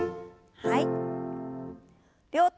はい。